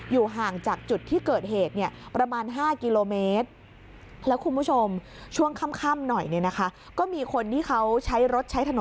อยู่ห่างจากจุดที่เกิดเหตุประมาณ๕กิโลเมตร